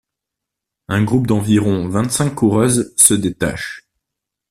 Un groupe d'environ vingt-cinq coureuses se détache.